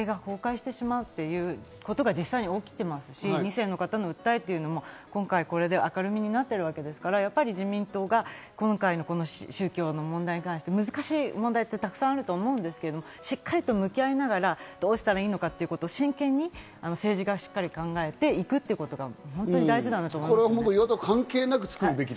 やはり高額献金の問題についても、それで家庭が崩壊してしまうっていうことが実際に起きていますし、二世の方の訴えっていうのもこれで明るみになってるわけですから、自民党が今回の宗教の問題に関して、難しい問題でたくさんあると思うんですけど、しっかり向き合いながら、どうしたらいいのかを真剣に政治家が考えていくということが大事だなと思います。